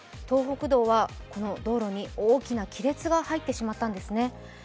東北道は道路に大きな亀裂が入ってしまったんですね。